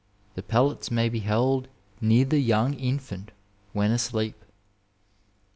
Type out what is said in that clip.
'The pellets may be held near the young infant when asleep.'